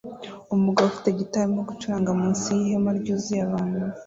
Umugabo ufite gitari arimo gucuranga munsi yihema ryuzuye abantu